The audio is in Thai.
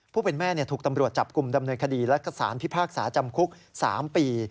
ผู้เป็นแม่ถูกตำรวจจับกลุ่มดำเนินคดีและสารพิพากษาจำคุก๓ปี